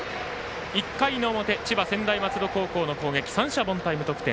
１回の表、千葉・専大松戸高校の三者凡退、無得点。